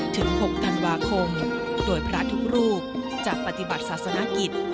ถึง๖ธันวาคมโดยพระทุกรูปจะปฏิบัติศาสนกิจ